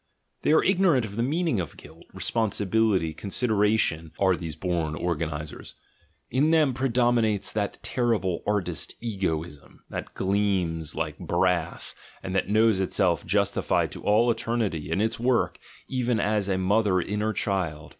They are ignorant of the mean ing of guilt, responsibility, consideration, are these born organisers; in them predominates that terrible artist ego ism, that gleams like brass, and that knows itself justified So THE GENEALOGY OF MORALS to all eternity, in its work, even as a mother in her child.